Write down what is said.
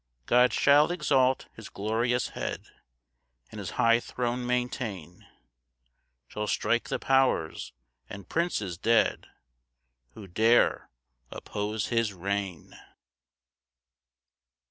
6 God shall exalt his glorious head, And his high throne maintain, Shall strike the powers and princes dead Who dare oppose his reign.